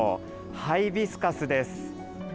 ハイビスカスです。